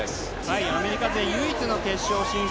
アメリカで唯一の決勝進出。